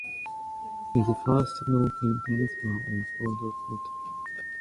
His first known paintings were of Bordentown.